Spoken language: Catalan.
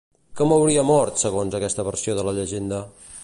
Com hauria mort, segons aquesta versió de la llegenda?